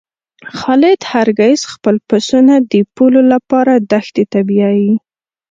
خالد هر ګیځ خپل پسونه د پوولو لپاره دښتی ته بیایی.